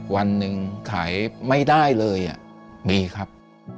วันหนึ่งขายไม่ได้เลยมีครับ